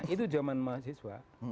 itu zaman mahasiswa